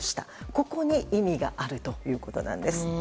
ここに意味があるということです。